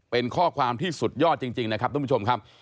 เป็นข้อความที่สุดยอดจริงนะครับทุกผู้ชมครับ